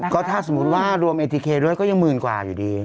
ก็ถ้าสมมุติว่ารวมเอทีเคด้วยก็ยังหมื่นกว่าอยู่ดี